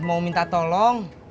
mau minta tolong